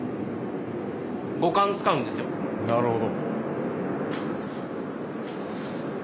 なるほど。